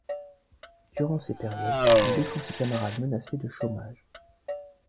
Durant ces périodes, il défend ses camarades menacés de chômage.